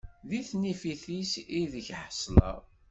Di tnifift-is ideg ḥesleɣ.